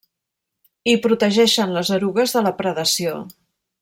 I protegeixen les erugues de la predació.